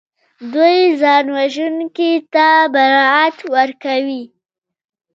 دوی ځانوژونکي ته برائت ورکوي